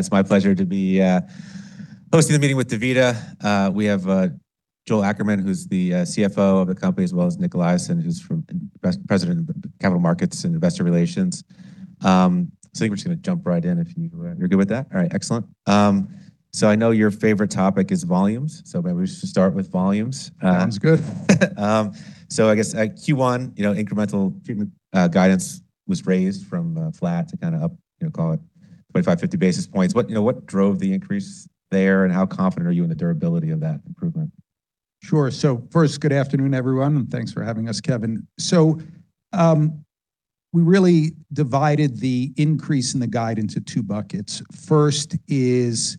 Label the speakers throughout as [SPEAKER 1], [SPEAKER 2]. [SPEAKER 1] It's my pleasure to be hosting the meeting with DaVita. We have Joel Ackerman, who's the CFO of the company, as well as Nic Eliason, who's president of the capital markets and investor relations. I think we're just gonna jump right in if you're good with that. All right, excellent. I know your favorite topic is volumes, maybe we should start with volumes.
[SPEAKER 2] Sounds good.
[SPEAKER 1] I guess, Q1, you know, incremental treatment guidance was raised from flat to kinda up, you know, call it 25, 50 basis points. You know, what drove the increase there, and how confident are you in the durability of that improvement?
[SPEAKER 2] Sure. First, good afternoon, everyone, and thanks for having us, Kevin. We really divided the increase in the guide into two buckets. First is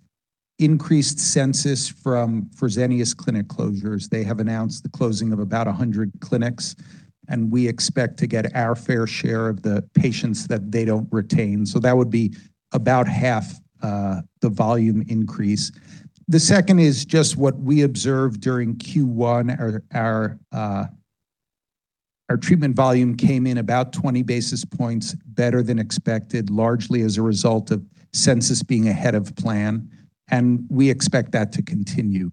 [SPEAKER 2] increased census from Fresenius clinic closures. They have announced the closing of about 100 clinics, we expect to get our fair share of the patients that they don't retain. That would be about half the volume increase. The second is just what we observed during Q1. Our treatment volume came in about 20 basis points better than expected, largely as a result of census being ahead of plan and we expect that to continue.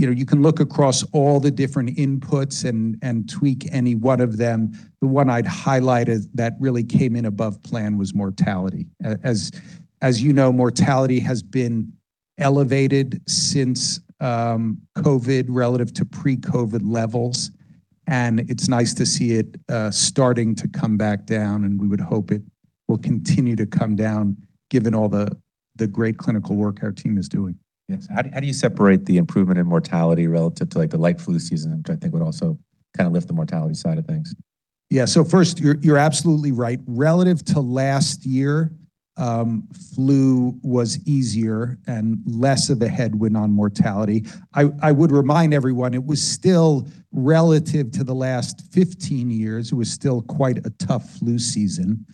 [SPEAKER 2] You know, you can look across all the different inputs and tweak any one of them. The one I'd highlight as that really came in above plan was mortality. As you know, mortality has been elevated since COVID relative to pre-COVID levels, and it's nice to see it starting to come back down, and we would hope it will continue to come down given all the great clinical work our team is doing.
[SPEAKER 1] Yes. How do you separate the improvement in mortality relative to, like, the light flu season, which I think would also kinda lift the mortality side of things?
[SPEAKER 2] Yeah. First, you're absolutely right. Relative to last year, flu was easier and less of a headwind on mortality. I would remind everyone it was still relative to the last 15 years, it was still quite a tough flu season.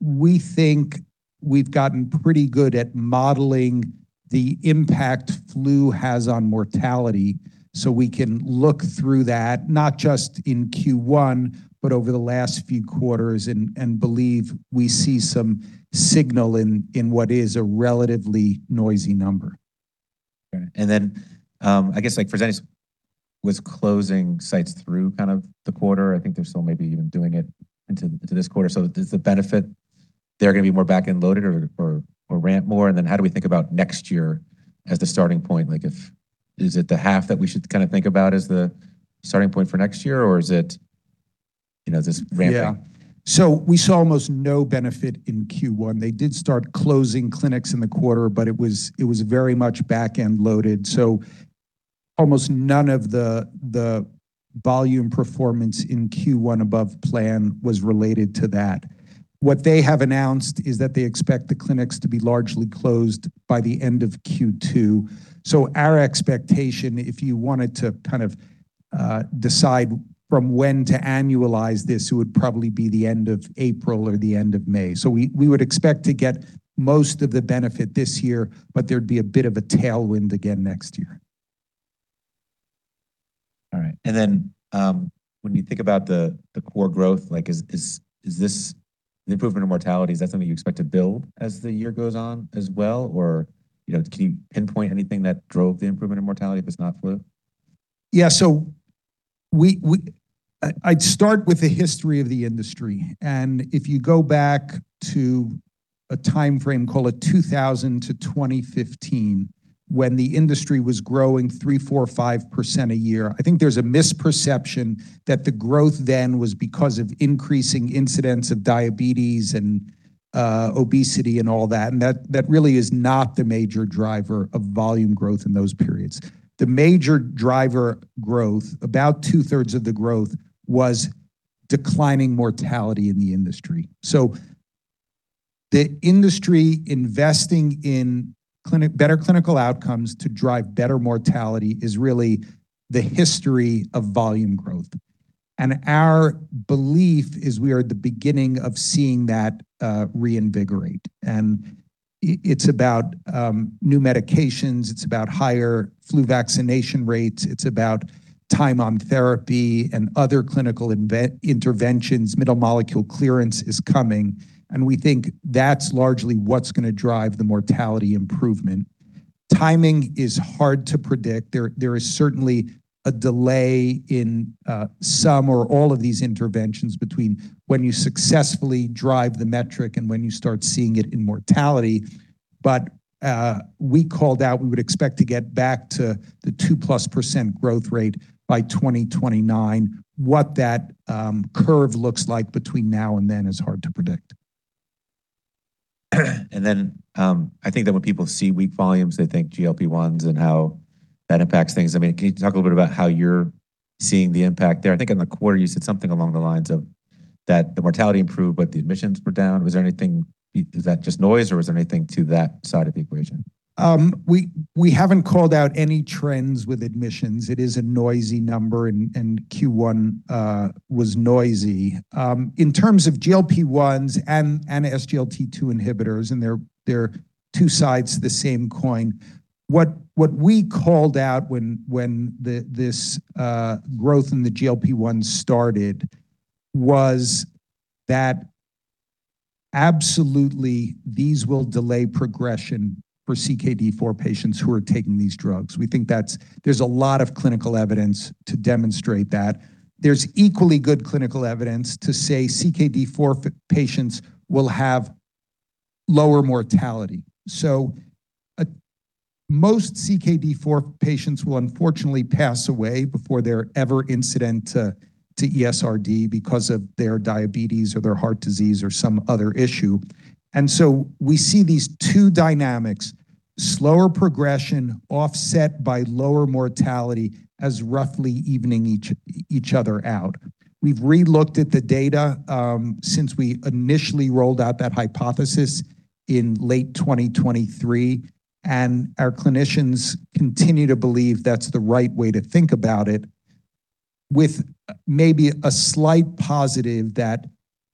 [SPEAKER 2] We think we've gotten pretty good at modeling the impact flu has on mortality, so we can look through that, not just in Q1, but over the last few quarters, and believe we see some signal in what is a relatively noisy number.
[SPEAKER 1] Okay. I guess, like, Fresenius was closing sites through kind of the quarter. I think they're still maybe even doing it into this quarter. Does the benefit, they're gonna be more back-end loaded or ramp more? How do we think about next year as the starting point? Like, is it the half that we should kinda think about as the starting point for next year, or is it, you know, just ramping?
[SPEAKER 2] Yeah. We saw almost no benefit in Q1. They did start closing clinics in the quarter, but it was very much back-end loaded. Almost none of the volume performance in Q1 above plan was related to that. What they have announced is that they expect the clinics to be largely closed by the end of Q2. Our expectation, if you wanted to kind of decide from when to annualize this, it would probably be the end of April or the end of May. We would expect to get most of the benefit this year, but there'd be a bit of a tailwind again next year.
[SPEAKER 1] All right. When you think about the core growth, like, is this the improvement in mortality, is that something you expect to build as the year goes on as well? Or, you know, can you pinpoint anything that drove the improvement in mortality if it's not flu?
[SPEAKER 2] Yeah. I'd start with the history of the industry. If you go back to a timeframe, call it 2000 to 2015, when the industry was growing 3%, 4%, 5% a year. I think there's a misperception that the growth then was because of increasing incidence of diabetes and obesity and all that, and that really is not the major driver of volume growth in those periods. The major driver growth, about two-thirds of the growth, was declining mortality in the industry. The industry investing in better clinical outcomes to drive better mortality is really the history of volume growth. Our belief is we are at the beginning of seeing that reinvigorated. It's about new medications. It's about higher flu vaccination rates. It's about time on therapy and other clinical interventions. Middle molecule clearance is coming, and we think that's largely what's gonna drive the mortality improvement. Timing is hard to predict. There is certainly a delay in some or all of these interventions between when you successfully drive the metric and when you start seeing it in mortality. We called out we would expect to get back to the 2-plus percent growth rate by 2029. What that curve looks like between now and then is hard to predict.
[SPEAKER 1] I think that when people see weak volumes, they think GLP-1s and how that impacts things. I mean, can you talk a little bit about how you're seeing the impact there? I think in the quarter you said something along the lines of that the mortality improved, but the admissions were down. Was there anything, is that just noise, or was there anything to that side of the equation?
[SPEAKER 2] We haven't called out any trends with admissions. It is a noisy number, and Q1 was noisy. In terms of GLP-1s and SGLT2 inhibitors, they're two sides to the same coin. What we called out when this growth in the GLP-1s started was that, absolutely, these will delay progression for CKD4 patients who are taking these drugs. We think that there's a lot of clinical evidence to demonstrate that. There's equally good clinical evidence to say CKD4 patients will have lower mortality. Most CKD4 patients will unfortunately pass away before they're ever incident to ESRD because of their diabetes or their heart disease or some other issue. We see these two dynamics, slower progression offset by lower mortality, as roughly evening each other out. We've re-looked at the data since we initially rolled out that hypothesis in late 2023, and our clinicians continue to believe that's the right way to think about it, with maybe a slight positive that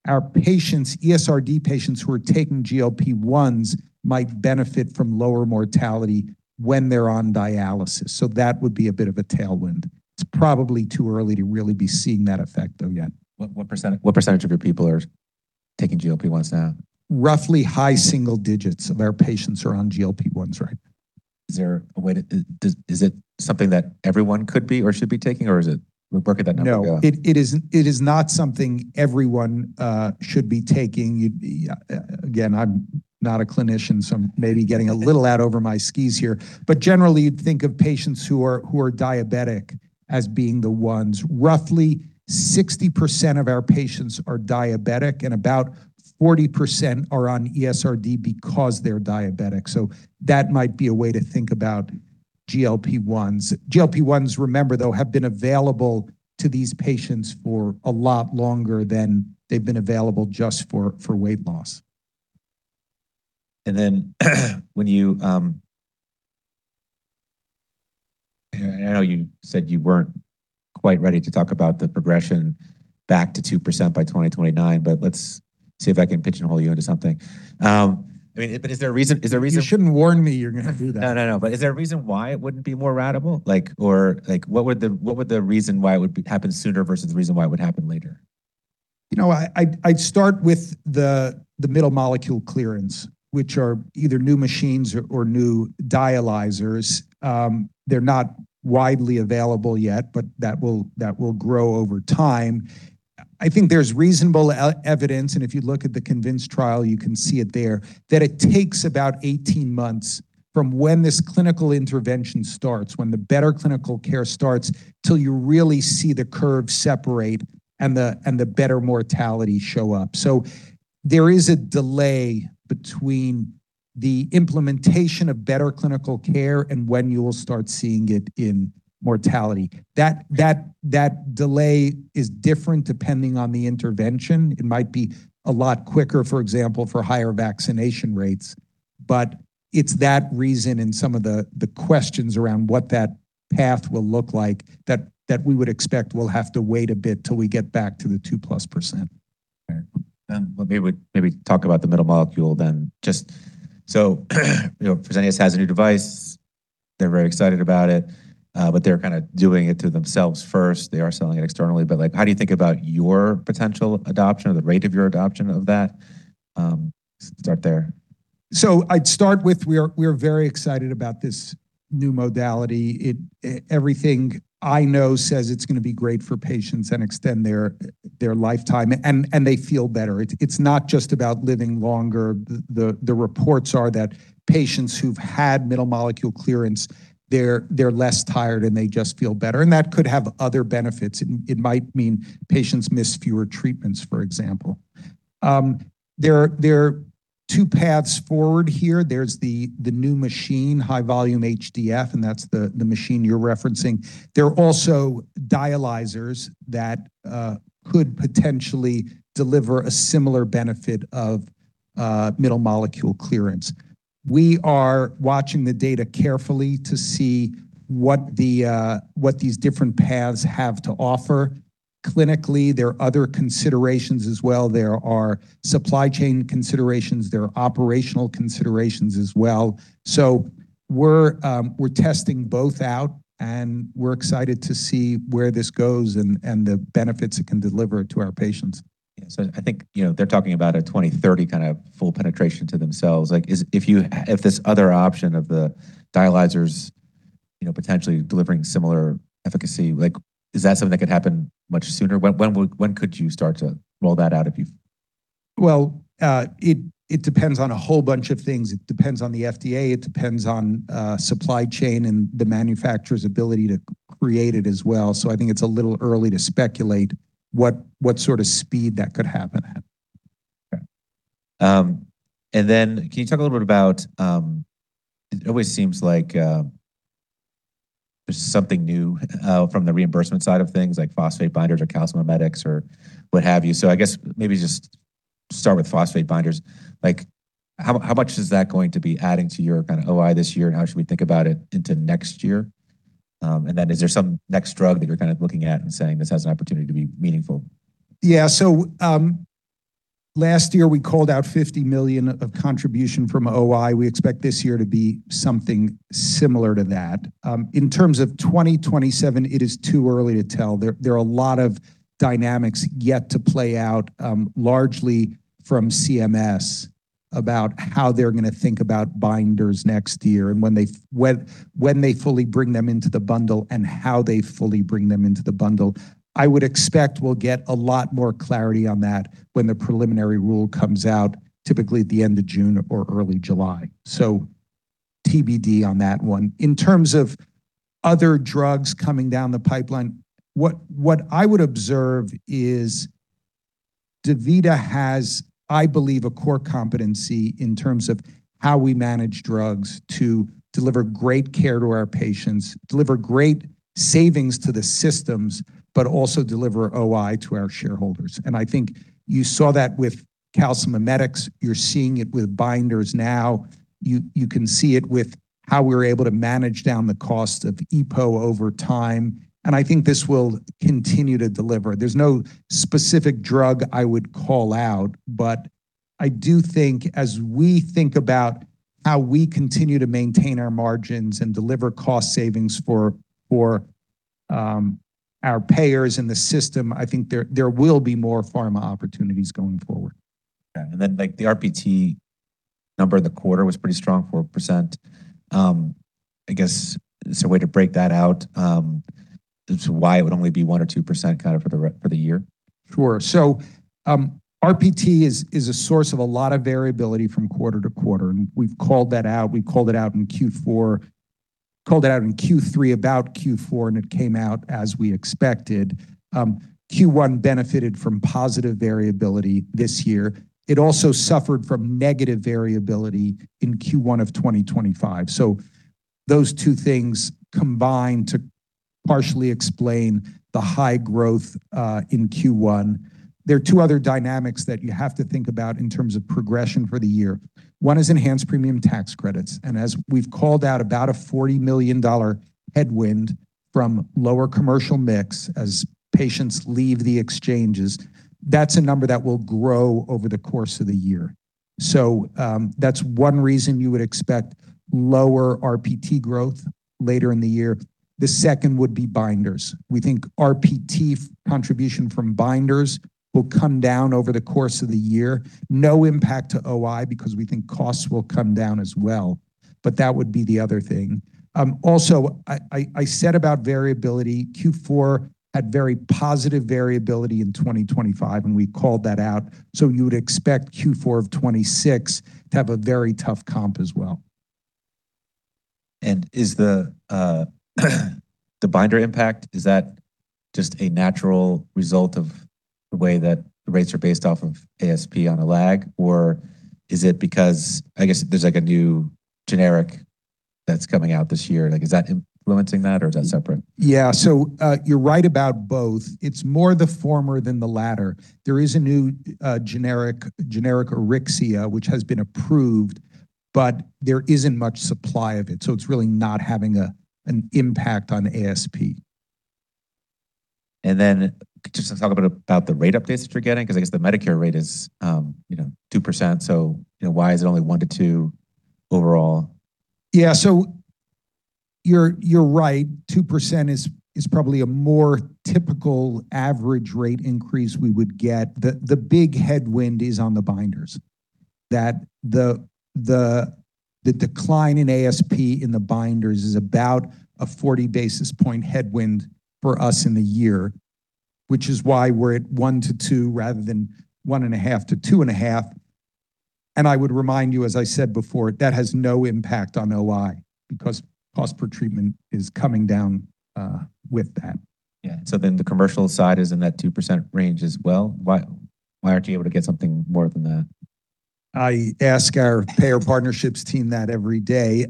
[SPEAKER 2] our patients, ESRD patients who are taking GLP-1s, might benefit from lower mortality when they're on dialysis. That would be a bit of a tailwind. It's probably too early to really be seeing that effect though yet.
[SPEAKER 1] What percentage of your people are taking GLP-1s now?
[SPEAKER 2] Roughly high single digits of our patients are on GLP-1s right now.
[SPEAKER 1] Is there a way to is it something that everyone could be or should be taking, or is it we broke it that number ago?
[SPEAKER 2] No. It is not something everyone should be taking. Again, I'm not a clinician, so I'm maybe getting a little out over my skis here. Generally, you'd think of patients who are diabetic as being the ones. Roughly 60% of our patients are diabetic, and about 40% are on ESRD because they're diabetic. That might be a way to think about GLP-1s. GLP-1s, remember though, have been available to these patients for a lot longer than they've been available just for weight loss.
[SPEAKER 1] When you—I know you said you weren't quite ready to talk about the progression back to 2% by 2029, but let's see if I can pitch on hole you into something. I mean, is there a reason?
[SPEAKER 2] You shouldn't warn me you're gonna do that.
[SPEAKER 1] No, no. Is there a reason why it wouldn't be more ratable? Like, like, what would the reason why it would be happen sooner versus the reason why it would happen later?
[SPEAKER 2] You know, I'd start with the middle molecule clearance, which are either new machines or new dialyzers. They're not widely available yet, that will grow over time. I think there's reasonable evidence, and if you look at the CONVINCE trial, you can see it there, that it takes about 18 months from when this clinical intervention starts, when the better clinical care starts, till you really see the curve separate and the better mortality show up. There is a delay between the implementation of better clinical care and when you'll start seeing it in mortality. That delay is different depending on the intervention. It might be a lot quicker, for example, for higher vaccination rates. It's that reason and some of the questions around what that path will look like that we would expect will have to wait a bit till we get back to the 2-plus percent.
[SPEAKER 1] Okay. Let me maybe talk about the middle molecule then. Just so you know, Fresenius has a new device. They're very excited about it, but they're kinda doing it to themselves first. They are selling it externally. Like, how do you think about your potential adoption or the rate of your adoption of that? Start there.
[SPEAKER 2] I'd start with we're very excited about this new modality. Everything I know says it's gonna be great for patients and extend their lifetime and they feel better. It's not just about living longer. The reports are that patients who've had middle molecule clearance, they're less tired, and they just feel better, and that could have other benefits. It might mean patients miss fewer treatments, for example. There are two paths forward here. There's the new machine, high-volume HDF, and that's the machine you're referencing. There are also dialyzers that could potentially deliver a similar benefit of middle molecule clearance. We are watching the data carefully to see what these different paths have to offer clinically. There are other considerations as well. There are supply chain considerations. There are operational considerations as well. We're testing both out, and we're excited to see where this goes and the benefits it can deliver to our patients.
[SPEAKER 1] Yeah. I think, you know, they're talking about a 2030 kind of full penetration to themselves. Is if this other option of the dialyzers, you know, potentially delivering similar efficacy, like, is that something that could happen much sooner? When could you start to roll that out?
[SPEAKER 2] Well, it depends on a whole bunch of things. It depends on the FDA. It depends on supply chain and the manufacturer's ability to create it as well. I think it's a little early to speculate what sort of speed that could happen at.
[SPEAKER 1] Okay. Can you talk a little bit about it always seems like there's something new from the reimbursement side of things, like phosphate binders or calcimimetics or what have you. I guess maybe just start with phosphate binders. Like, how much is that going to be adding to your kind of OI this year, and how should we think about it into next year? Is there some next drug that you're kind of looking at and saying, "This has an opportunity to be meaningful"?
[SPEAKER 2] Yeah. Last year, we called out $50 million of contribution from OI. We expect this year to be something similar to that. In terms of 2027, it is too early to tell. There are a lot of dynamics yet to play out, largely from CMS about how they're gonna think about binders next year and when they fully bring them into the bundle and how they fully bring them into the bundle. I would expect we'll get a lot more clarity on that when the preliminary rule comes out, typically at the end of June or early July. TBD on that one. In terms of other drugs coming down the pipeline, what I would observe is DaVita has, I believe, a core competency in terms of how we manage drugs to deliver great care to our patients, deliver great savings to the systems, but also deliver OI to our shareholders. I think you saw that with calcimimetics. You're seeing it with binders now. You can see it with how we're able to manage down the cost of EPO over time, I think this will continue to deliver. There's no specific drug I would call out, I do think as we think about how we continue to maintain our margins and deliver cost savings for our payers in the system, I think there will be more pharma opportunities going forward.
[SPEAKER 1] Yeah. Then, like, the RPT number in the quarter was pretty strong, 4%. I guess is there a way to break that out, as to why it would only be 1% or 2% kind of for the year?
[SPEAKER 2] Sure. RPT is a source of a lot of variability from quarter to quarter, and we've called that out. We called it out in Q4, called it out in Q3 about Q4, and it came out as we expected. Q1 benefited from positive variability this year. It also suffered from negative variability in Q1 of 2025. Those two things combine to partially explain the high growth in Q1. There are twoother dynamics that you have to think about in terms of progression for the year. One is enhanced premium tax credits, and as we've called out about a $40 million headwind from lower commercial mix as patients leave the exchanges, that's a number that will grow over the course of the year. That's one reason you would expect lower RPT growth later in the year. The second would be binders. We think RPT contribution from binders will come down over the course of the year. No impact to OI because we think costs will come down as well. That would be the other thing. I said about variability, Q4 had very positive variability in 2025. We called that out. You would expect Q4 of 2026 to have a very tough comp as well.
[SPEAKER 1] Is the binder impact, is that just a natural result of the way that the rates are based off of ASP on a lag? Is it because I guess there's, like, a new generic that's coming out this year? Like, is that influencing that or is that separate?
[SPEAKER 2] Yeah. You're right about both. It's more the former than the latter. There is a new generic AURYXIA, which has been approved, but there isn't much supply of it, so it's really not having an impact on ASP.
[SPEAKER 1] Just talk a bit about the rate updates that you're getting because I guess the Medicare rate is, you know, 2%, so, you know, why is it only 1%-2% overall?
[SPEAKER 2] You're right. 2% is probably a more typical average rate increase we would get. The big headwind is on the binders, that the decline in ASP in the binders is about a 40 basis point headwind for us in the year, which is why we're at 1%-2% rather than 1.5%-2.5%. I would remind you, as I said before, that has no impact on OI because cost per treatment is coming down with that.
[SPEAKER 1] Yeah. The commercial side is in that 2% range as well. Why aren't you able to get something more than that?
[SPEAKER 2] I ask our payer partnerships team that every day.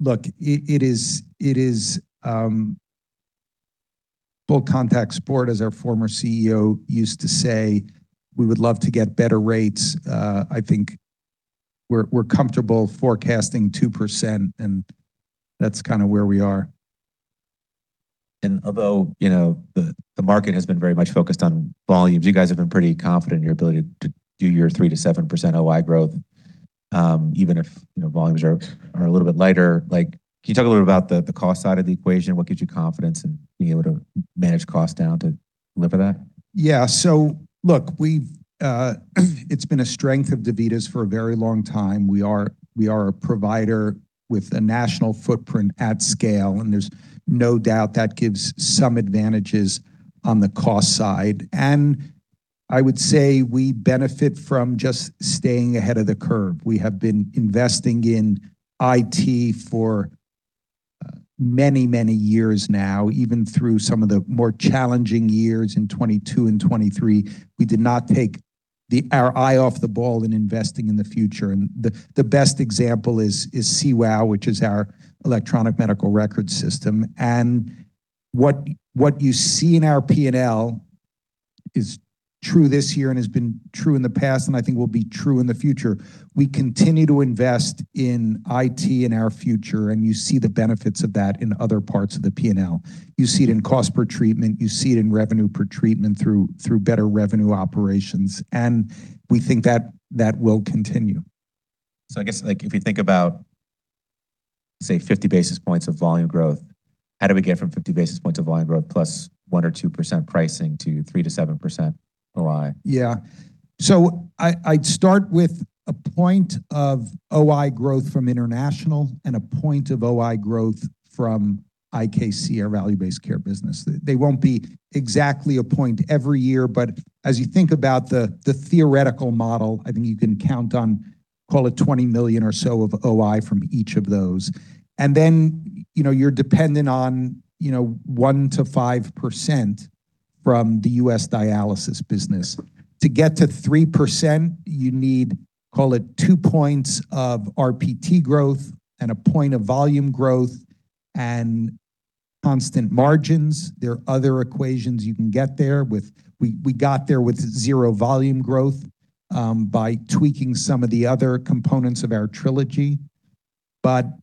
[SPEAKER 2] Look, it is full contact sport, as our former CEO used to say. We would love to get better rates. I think we're comfortable forecasting 2%, and that's kinda where we are.
[SPEAKER 1] Although, you know, the market has been very much focused on volumes, you guys have been pretty confident in your ability to do your 3%-7% OI growth, even if, you know, volumes are a little bit lighter. Can you talk a little bit about the cost side of the equation? What gives you confidence in being able to manage costs down to deliver that?
[SPEAKER 2] It's been a strength of DaVita's for a very long time. We are a provider with a national footprint at scale, and there's no doubt that gives some advantages on the cost side. We benefit from just staying ahead of the curve. We have been investing in IT for many, many years now, even through some of the more challenging years in 2022 and 2023. We did not take our eye off the ball in investing in the future. The best example is CWOW, which is our electronic medical record system. What you see in our P&L is true this year and has been true in the past, and I think will be true in the future. We continue to invest in IT and our future, and you see the benefits of that in other parts of the P&L. You see it in cost per treatment. You see it in revenue per treatment through better revenue operations, and we think that will continue.
[SPEAKER 1] I guess, like, Say 50 basis points of volume growth. How do we get from 50 basis points of volume growth plus 1% or 2% pricing to 3%-7% OI?
[SPEAKER 2] I'd start with 1 point of OI growth from international and a point of OI growth from IKC, our value-based care business. They won't be exactly a point every year, but as you think about the theoretical model, I think you can count on call it $20 million or so of OI from each of those. You know, you're dependent on, you know, 1%-5% from the U.S. dialysis business. To get to 3%, you need, call it, two points of RPT growth and a point of volume growth and constant margins. There are other equations you can get there. We got there with zero volume growth by tweaking some of the other components of our trilogy.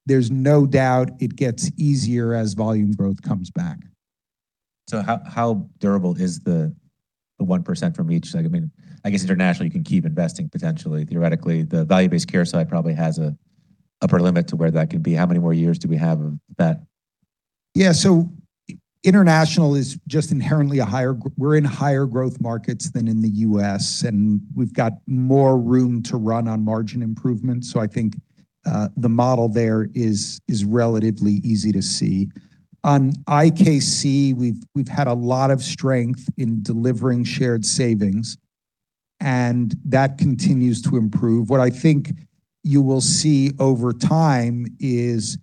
[SPEAKER 2] There's no doubt it gets easier as volume growth comes back.
[SPEAKER 1] How durable is the 1% from each segment? I guess internationally you can keep investing potentially. Theoretically, the value-based care side probably has a upper limit to where that could be. How many more years do we have of that?
[SPEAKER 2] Yeah. International is just inherently a higher we're in higher growth markets than in the U.S., and we've got more room to run on margin improvement. I think the model there is relatively easy to see. On IKC, we've had a lot of strength in delivering shared savings, and that continues to improve. What I think you will see over time is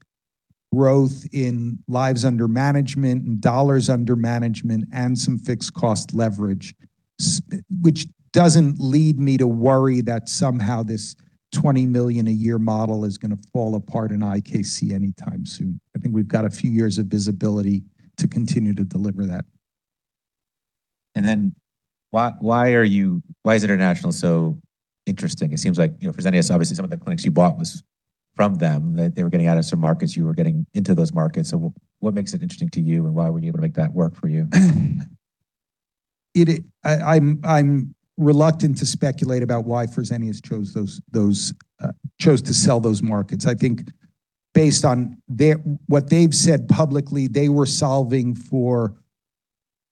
[SPEAKER 2] growth in lives under management and dollars under management and some fixed cost leverage which doesn't lead me to worry that somehow this $20 million a year model is gonna fall apart in IKC anytime soon. I think we've got a few years of visibility to continue to deliver that.
[SPEAKER 1] Why is international so interesting? It seems like, you know, Fresenius, obviously some of the clinics you bought was from them. They were getting out of some markets, you were getting into those markets. What makes it interesting to you and why were you able to make that work for you?
[SPEAKER 2] I'm reluctant to speculate about why Fresenius chose those, chose to sell those markets. I think based on what they've said publicly, they were solving for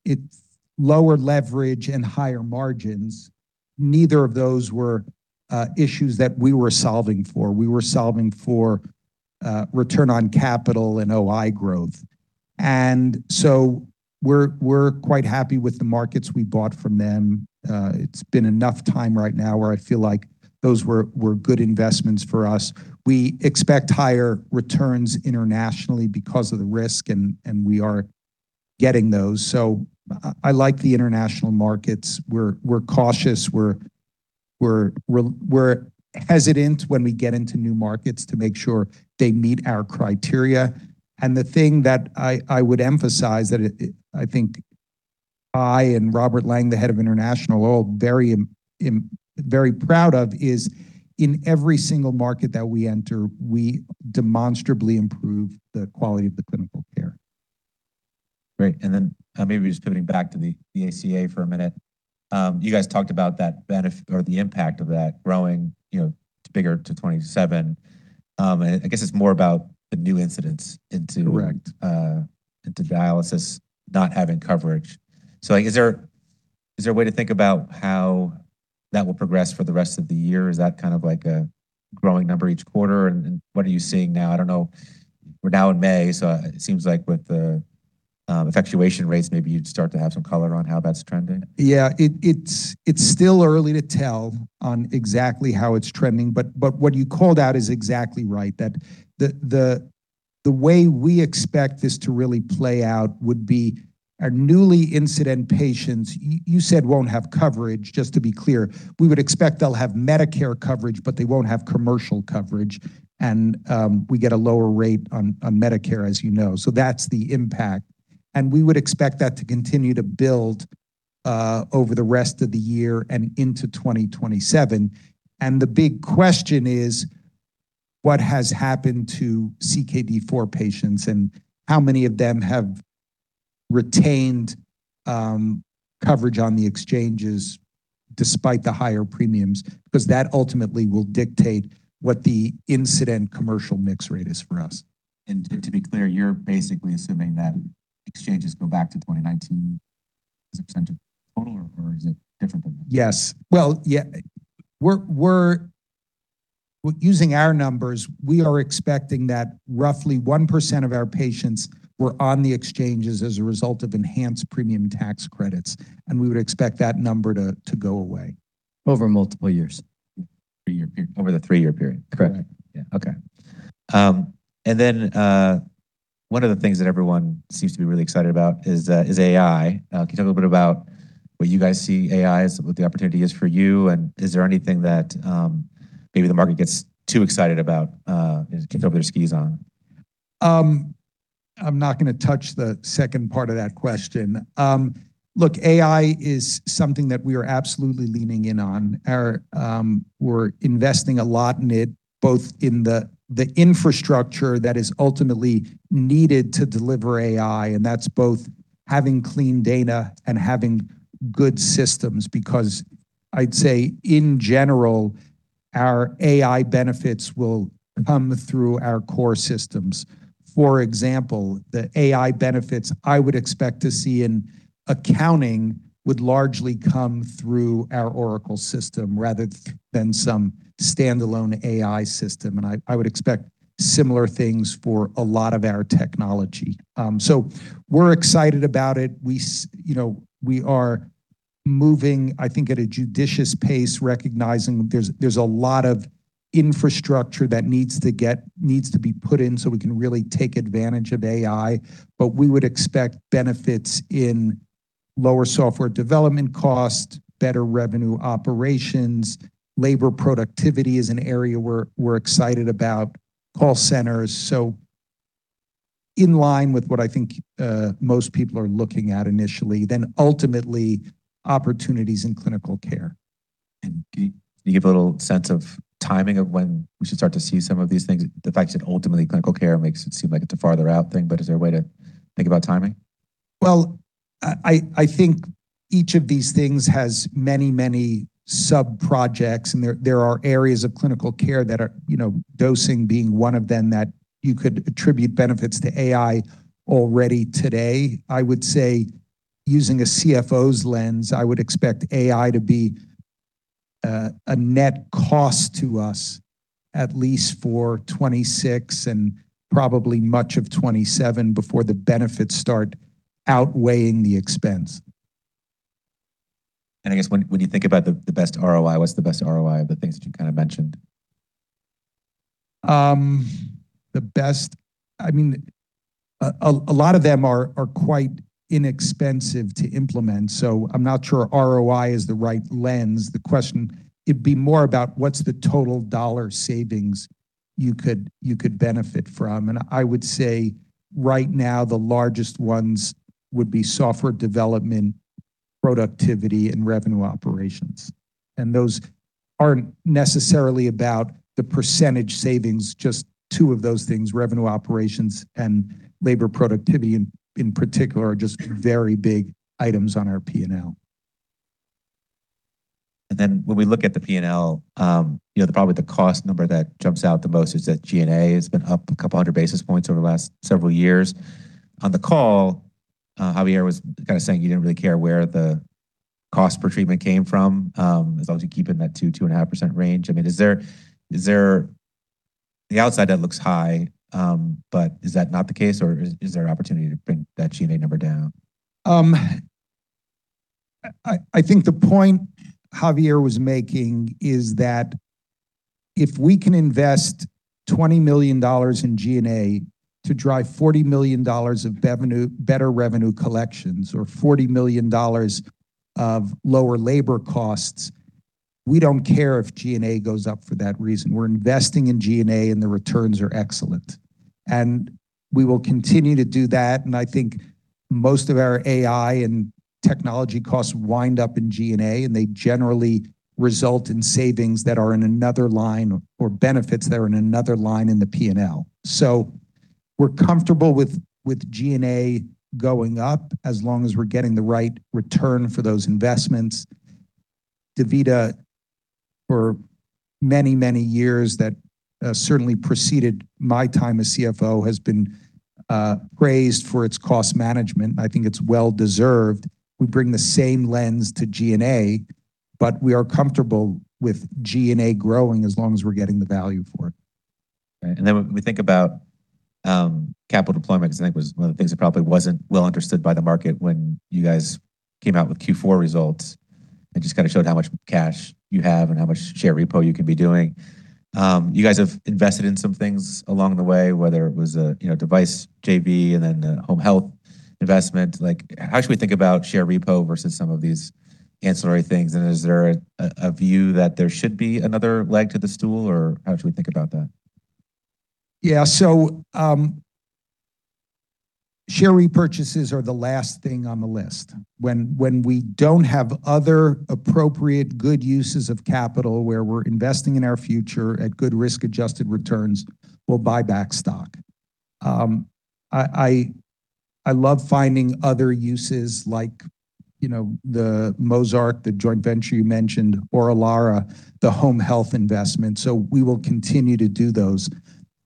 [SPEAKER 2] its lower leverage and higher margins. Neither of those were issues that we were solving for. We were solving for return on capital and OI growth. We're quite happy with the markets we bought from them. It's been enough time right now where I feel like those were good investments for us. We expect higher returns internationally because of the risk and we are getting those. I like the international markets. We're cautious. We're hesitant when we get into new markets to make sure they meet our criteria. The thing that I would emphasize that I think I and Robert Lang, the head of international, are all very proud of is in every single market that we enter, we demonstrably improve the quality of the clinical care.
[SPEAKER 1] Great. Maybe just pivoting back to the ACA for a minute. You guys talked about the impact of that growing, you know, bigger to 27.
[SPEAKER 2] Correct
[SPEAKER 1] Into dialysis, not having coverage. Like, is there a way to think about how that will progress for the rest of the year? Is that kind of like a growing number each quarter? What are you seeing now? I don't know. We're now in May, it seems like with the effectuation rates, maybe you'd start to have some color on how that's trending.
[SPEAKER 2] Yeah. It's still early to tell on exactly how it's trending, but what you called out is exactly right, that the way we expect this to really play out would be our newly incident patients, you said, won't have coverage, just to be clear. We would expect they'll have Medicare coverage. They won't have commercial coverage, and we get a lower rate on Medicare, as you know. That's the impact. We would expect that to continue to build over the rest of the year and into 2027. The big question is: What has happened to CKD4 patients, and how many of them have retained coverage on the exchanges despite the higher premiums? Because that ultimately will dictate what the incident commercial mix rate is for us.
[SPEAKER 1] To be clear, you're basically assuming that exchanges go back to 2019 as a percentage total, or is it different than that?
[SPEAKER 2] Yes. Well, yeah, using our numbers, we are expecting that roughly 1% of our patients were on the exchanges as a result of enhanced premium tax credits, and we would expect that number to go away.
[SPEAKER 1] Over multiple years. Three-year period. Over the three-year period.
[SPEAKER 2] Correct.
[SPEAKER 1] Yeah. Okay. Then, one of the things that everyone seems to be really excited about is AI. Can you talk a little bit about what you guys see AI as, what the opportunity is for you? Is there anything that maybe the market gets too excited about, gets all their skis on?
[SPEAKER 2] I'm not gonna touch the second part of that question. Look, AI is something that we are absolutely leaning in on. We're investing a lot in it, both in the infrastructure that is ultimately needed to deliver AI, and that's both having clean data and having good systems because I'd say in general, our AI benefits will come through our core systems. For example, the AI benefits I would expect to see in accounting would largely come through our Oracle system rather than some standalone AI system. I would expect similar things for a lot of our technology. We're excited about it. We are moving, I think, at a judicious pace, recognizing there's a lot of infrastructure that needs to be put in so we can really take advantage of AI. We would expect benefits in lower software development cost, better revenue operations. Labor productivity is an area where we're excited about call centers, so in line with what I think most people are looking at initially, then ultimately opportunities in clinical care.
[SPEAKER 1] Can you give a little sense of timing of when we should start to see some of these things? The fact that ultimately clinical care makes it seem like it's a farther out thing. Is there a way to think about timing?
[SPEAKER 2] Well, I think each of these things has many, many sub-projects, and there are areas of clinical care that are, you know, dosing being one of them, that you could attribute benefits to AI already today. I would say using a CFO's lens, I would expect AI to be a net cost to us at least for 2026 and probably much of 2027 before the benefits start outweighing the expense.
[SPEAKER 1] I guess when you think about the best ROI, what's the best ROI of the things that you kind of mentioned?
[SPEAKER 2] I mean, a lot of them are quite inexpensive to implement, so I'm not sure ROI is the right lens. It'd be more about what's the total dollar savings you could benefit from. I would say right now the largest ones would be software development, productivity, and revenue operations. Those aren't necessarily about the percentage savings, just two of those things, revenue operations and labor productivity in particular, are just very big items on our P&L.
[SPEAKER 1] When we look at the P&L, you know, probably the cost number that jumps out the most is that G&A has been up a couple hundred basis points over the last several years. On the call, Javier was kinda saying he didn't really care where the cost per treatment came from, as long as you keep it in that 2-2.5% range. I mean, the outside debt looks high, but is that not the case, or is there opportunity to bring that G&A number down?
[SPEAKER 2] I think the point Javier was making is that if we can invest $20 million in G&A to drive $40 million of better revenue collections or $40 million of lower labor costs, we don't care if G&A goes up for that reason. We're investing in G&A, and the returns are excellent. We will continue to do that. I think most of our AI and technology costs wind up in G&A, and they generally result in savings that are in another line or benefits that are in another line in the P&L. We're comfortable with G&A going up as long as we're getting the right return for those investments. DaVita for many, many years that certainly preceded my time as CFO has been praised for its cost management. I think it's well deserved. We bring the same lens to G&A, but we are comfortable with G&A growing as long as we're getting the value for it.
[SPEAKER 1] Right. When we think about capital deployment, because I think it was one of the things that probably wasn't well understood by the market when you guys came out with Q4 results and just kinda showed how much cash you have and how much share repo you could be doing. You guys have invested in some things along the way, whether it was a, you know, device JV and then a home health investment. Like, how should we think about share repo versus some of these ancillary things, is there a view that there should be another leg to the stool, or how should we think about that?
[SPEAKER 2] Yeah. Share repurchases are the last thing on the list. When we don't have other appropriate good uses of capital where we're investing in our future at good risk-adjusted returns, we'll buy back stock. I love finding other uses like, you know, the Mozarc, the joint venture you mentioned, or Elara, the home health investment. We will continue to do those.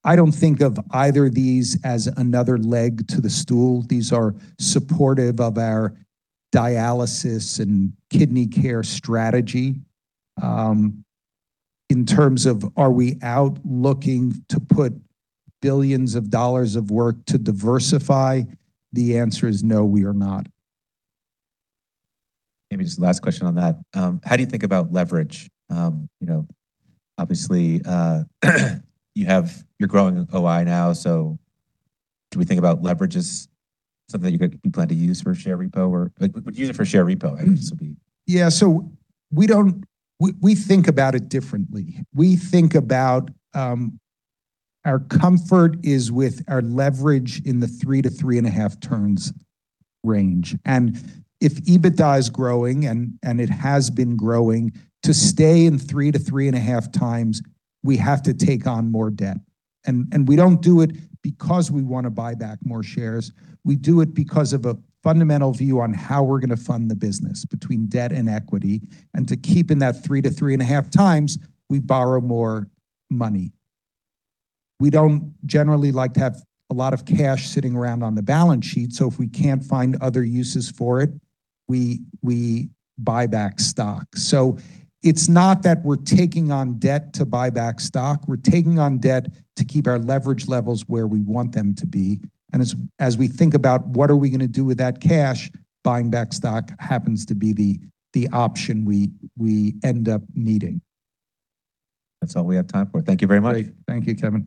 [SPEAKER 2] I don't think of either of these as another leg to the stool. These are supportive of our dialysis and kidney care strategy. In terms of are we out looking to put billions of dollars of work to diversify, the answer is no, we are not.
[SPEAKER 1] Maybe just the last question on that. How do you think about leverage? You know, obviously, you're growing OI now, so do we think about leverage as something that you plan to use for share repo or like, would you use it for share repo?
[SPEAKER 2] Yeah. We think about it differently. We think about our comfort is with our leverage in the 3 to 3.5 turns range. If EBITDA is growing, and it has been growing, to stay in 3 to 3.5 times, we have to take on more debt. We don't do it because we wanna buy back more shares. We do it because of a fundamental view on how we're gonna fund the business between debt and equity. To keep in that 3 to 3.5 times, we borrow more money. We don't generally like to have a lot of cash sitting around on the balance sheet, so if we can't find other uses for it, we buy back stock. It's not that we're taking on debt to buy back stock. We're taking on debt to keep our leverage levels where we want them to be. As we think about what are we gonna do with that cash, buying back stock happens to be the option we end up needing.
[SPEAKER 1] That's all we have time for. Thank you very much.
[SPEAKER 2] Great. Thank you, Kevin.